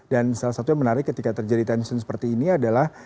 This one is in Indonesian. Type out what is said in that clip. dan salah satunya menarik ketika terjadi tension seperti ini adalah